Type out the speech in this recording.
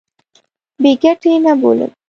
بې ګټې نه بولم.